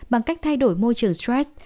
bằng cách thay đổi môi trường stress